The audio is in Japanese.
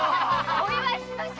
お祝いしましょ。